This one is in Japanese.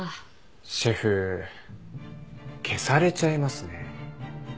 シェフ消されちゃいますね。